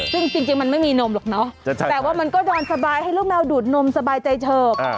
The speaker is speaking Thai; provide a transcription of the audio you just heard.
ซึ่งจริงมันไม่มีนมหรอกเนอะแต่ว่ามันก็นอนสบายให้ลูกแมวดูดนมสบายใจเฉิบ